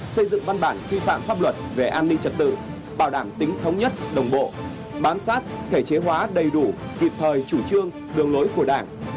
xây dựng văn bản quy phạm pháp luật về an ninh trật tự bảo đảm tính thống nhất đồng bộ bám sát thể chế hóa đầy đủ kịp thời chủ trương đường lối của đảng